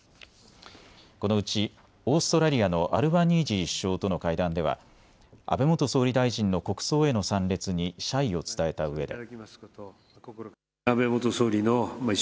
このうちオーストラリアのアルバニージー首相との会談では安倍元総理大臣の国葬への参列に謝意を伝えたうえで。